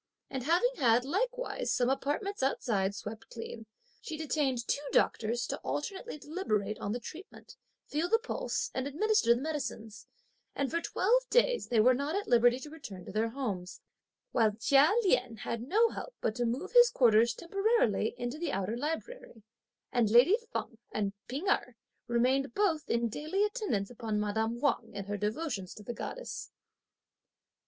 And having had likewise some apartments outside swept clean, she detained two doctors to alternately deliberate on the treatment, feel the pulse and administer the medicines; and for twelve days, they were not at liberty to return to their homes; while Chia Lien had no help but to move his quarters temporarily into the outer library, and lady Feng and P'ing Erh remained both in daily attendance upon madame Wang in her devotions to the goddess.